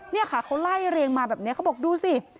นี่ค่ะเขาไล่เรียงมาแบบนี้เขาบอกดูสิ